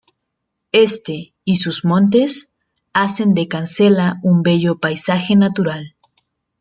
Este y sus montes, hacen de Cancela un bello paisaje natural.